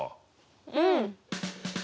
うん！